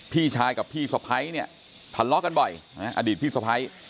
พี่ชายกับพี่สภัยทะเลาะกันบ่อยอดีตพี่สภัย